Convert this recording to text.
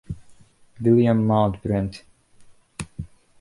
William Maud Bryant.